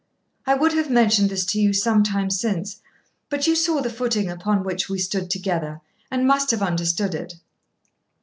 I would have mentioned this to you some time since, but you saw the footing upon which we stood together, and must have understood it.